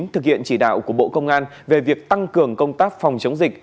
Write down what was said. thực hiện chỉ đạo của bộ công an về việc tăng cường công tác phòng chống dịch